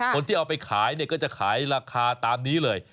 คนที่เอาไปขายเนี่ยก็จะขายราคาตามนี้เลย